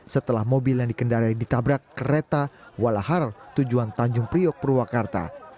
setelah mobil yang dikendarai ditabrak kereta walahar tujuan tanjung priok purwakarta